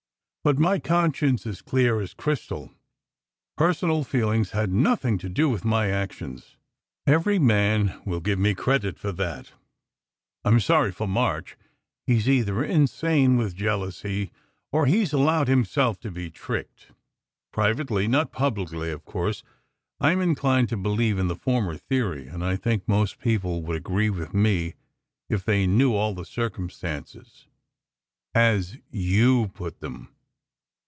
But my conscience is clear as crys tal. Personal feeling has had nothing to do with my actions. Every man will give me credit for that. I m sorry for March. He s either insane with jealousy, or he s allowed himself to be tricked. Privately, not publicly, of course, I m inclined to believe in the former theory; and I think most people would agree with me if they knew all the cir cumstances "As you put them!"